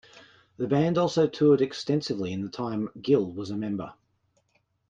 The band also toured extensively in the time Gill was a member.